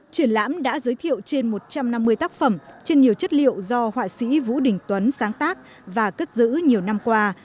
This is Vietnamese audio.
triển lãm đã giới thiệu trên một trăm năm mươi tác phẩm trên nhiều chất liệu do họa sĩ vũ đình tuấn sáng tác và cất giữ nhiều năm qua